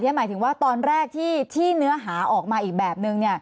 ไม่ได้ค่ะหมายถึงว่าตอนแรกที่เนื้อหาออกมาอีกแบบหนึ่ง